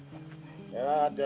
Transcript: menjadi kemampuan anda